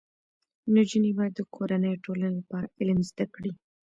نجونې باید د کورنۍ او ټولنې لپاره علم زده کړي.